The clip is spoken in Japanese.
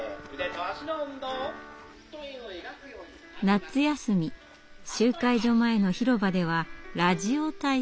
夏休み集会所前の広場ではラジオ体操。